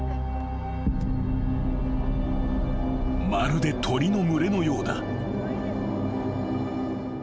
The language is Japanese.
［まるで鳥の群れのようだ］